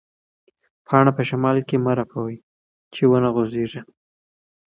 پاڼه په شمال کې مه رپوئ چې ونه غوځېږي.